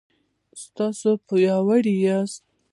تاسو پیاوړي یاست